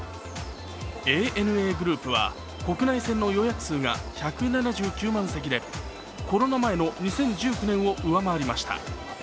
ＡＮＡグループは、国内線の予約数が１７９万席でコロナ前の２０１９年を上回りました。